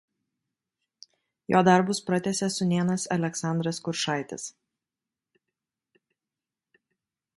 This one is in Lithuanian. Jo darbus pratęsė sūnėnas Aleksandras Kuršaitis.